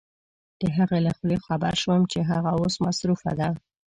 د هغې له خولې خبر شوم چې هغه اوس مصروفه ده.